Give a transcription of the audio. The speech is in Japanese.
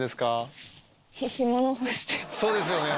そうですよね。